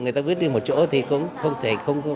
người ta viết đi một chỗ thì không thể